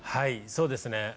そうですね。